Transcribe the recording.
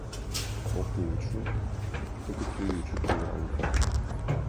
Окуучу — көкүтүүчү тууралуу фильм.